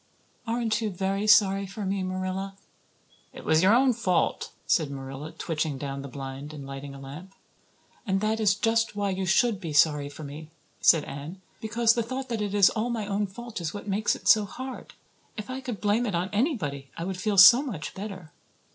"Aren't you very sorry for me, Marilla?" "It was your own fault," said Marilla, twitching down the blind and lighting a lamp. "And that is just why you should be sorry for me," said Anne, "because the thought that it is all my own fault is what makes it so hard. If I could blame it on anybody I would feel so much better.